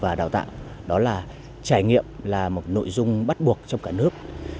và đào tạo đó là trải nghiệm là một nội dung bắt buộc trong cả nước